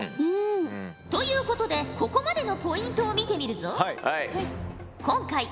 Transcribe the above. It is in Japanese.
うん。ということでここまでのポイントを見てみるぞ。